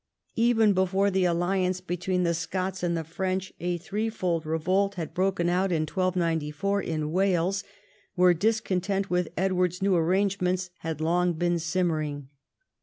Even before the alliance between the Scots and the French, a threefold revolt had broken out in 1 294 in Wales, where discontent with Edward's new arrangements had long been simmering.